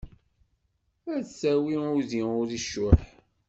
Ad d-tawi udi ur icuḥ.